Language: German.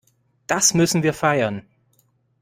Das müssen wir feiern.